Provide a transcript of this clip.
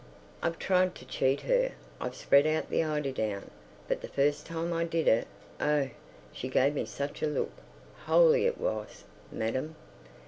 I've tried to cheat her; I've spread out the eiderdown. But the first time I did it—oh, she gave me such a look—holy it was, madam.